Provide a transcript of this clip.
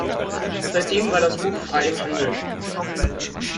Seitdem war das Buch frei im Handel.